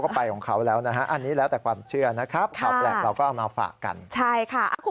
เขาก็ไปของเขาแล้วนะฮะอันนี้แล้วแต่ความเชื่อนะครับครับแล้วก็มาฝากกันใช่ค่ะ